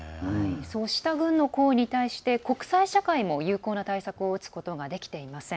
そうした軍の行為に対して国際社会も有効な対策を打つことができていません。